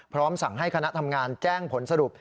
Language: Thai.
สั่งให้คณะทำงานแจ้งผลสรุป